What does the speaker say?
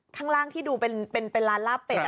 ข้างล่างที่ดูเป็นร้านลาบเป็ด